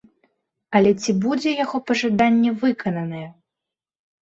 Але ці будзе яго пажаданне выкананае?